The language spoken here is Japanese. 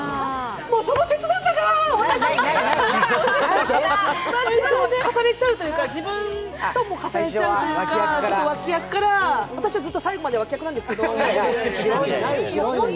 もう、その切なさが、私、重ねちゃうというか、自分と重ねちゃうというか脇役から、私は最後まで脇役なんですけど。